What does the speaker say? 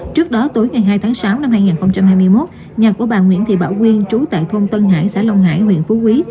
trước đó tối ngày hai tháng sáu năm hai nghìn hai mươi một nhà của bà nguyễn thị bảo quyên trú tại thôn tân hải xã long hải huyện phú quý